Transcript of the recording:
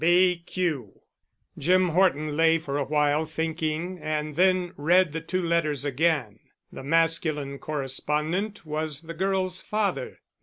B. Q." Jim Horton lay for a while thinking and then read the two letters again. The masculine correspondent was the girl's father.